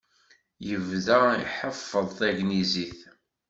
Yebda iḥeffeḍ tagnizit.